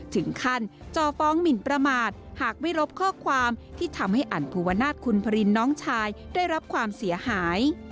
ถึงขั้นจอฟ้องหมินประมาทหากไม่รบข้อความที่ทำให้อันภูวนาศคุณพรินน้องชายได้รับความเสียหาย